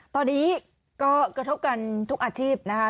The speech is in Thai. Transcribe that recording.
ตอนนี้ก็กระทบกันทุกอาชีพนะคะ